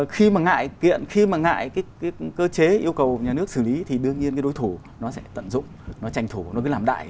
khi mà ngại kiện khi mà ngại cái cơ chế yêu cầu nhà nước xử lý thì đương nhiên cái đối thủ nó sẽ tận dụng nó tranh thủ nó mới làm đại